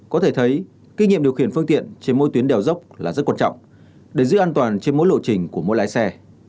có thể thấy kinh nghiệm điều khiển phương tiện trên mỗi tuyến đèo dốc là rất quan trọng để giữ an toàn trên mỗi lộ trình của mỗi lái xe